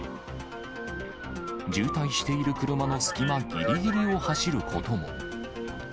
渋滞している車の隙間ぎりぎりを走ることも。